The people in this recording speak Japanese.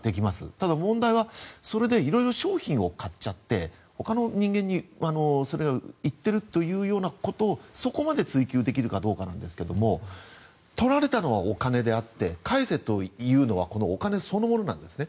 ただ、問題はそれで色々商品を買っちゃってほかの人間にそれが行っているということそこまで追及できるかどうかなんですが取られたのはお金であって返せというのはこのお金そのものなんですね。